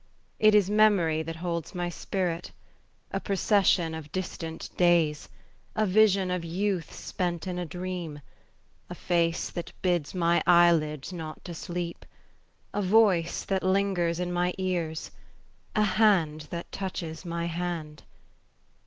It is memory that holds my spirit; A procession of distant days, A vision of youth spent in a dream, A face that bids my eyelids not to sleep, A voice that lingers in my ears, A hand that touches my hand.